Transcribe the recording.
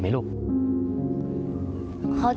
ซ้ายขวาซ้าย